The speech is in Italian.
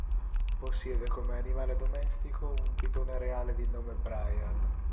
Possiede come animale domestico un pitone reale di nome Brian.